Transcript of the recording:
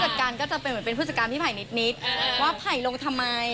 ผู้จัดการก็จะเป็นผู้จัดการพี่พ่ายนิดว่าแท้ลงทำไม